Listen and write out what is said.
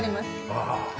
ああ。